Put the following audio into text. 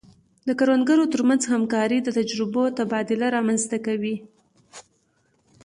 د کروندګرو ترمنځ همکاري د تجربو تبادله رامنځته کوي.